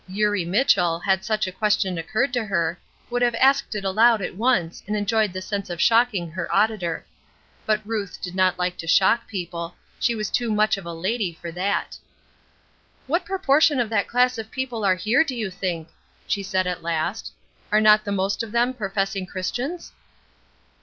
Eurie Mitchell, had such a question occurred to her, would have asked it aloud at once and enjoyed the sense of shocking her auditor. But Ruth did not like to shock people; she was too much of a lady for that. "What proportion of that class of people are here, do you think?" she said, at last. "Are not the most of them professing Christians?"